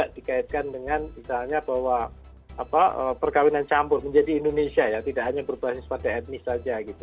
dikaitkan dengan misalnya bahwa perkawinan campur menjadi indonesia ya tidak hanya berbasis pada etnis saja gitu